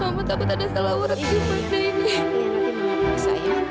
mama takut ada salah urut di mata ini